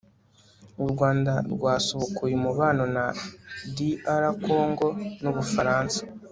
u rwanda rwasubukuye umubano na dr congo n'ubufaransa